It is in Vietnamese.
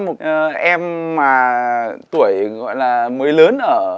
một em mà tuổi gọi là mới lớn